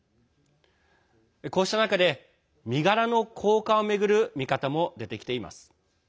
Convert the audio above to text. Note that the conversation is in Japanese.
こうした中で、身柄の交換を巡る見方も出てきています。